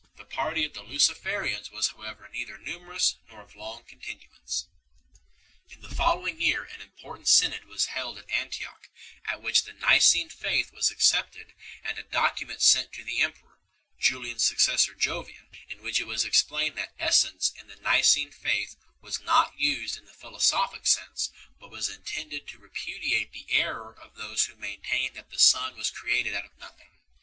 The party of Luciferians i was however neither numerous nor of long continuance. In the following year an important synod was held at Aritioch, at which the Nicene Faith was accepted and a document sent to the emperor Julian s successor Jovian in which it was explained that "essence" in the Nicene j Faith was not used in the philosophic sense, but was I intended to repudiate the error of those who maintained I that the Son was created out of nothing 1